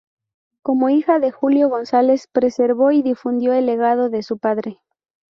Como hija de Julio González preservó y difundió el legado de su padre.